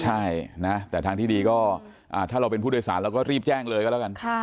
ใช่นะแต่ทางที่ดีก็ถ้าเราเป็นผู้โดยสารเราก็รีบแจ้งเลยก็แล้วกัน